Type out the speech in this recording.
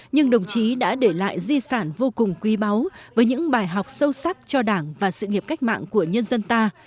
nhưng đồng chí đã để lại di sản vô cùng quý báu với những bài học sâu sắc cho đảng và sự nghiệp cách mạng của nhân dân ta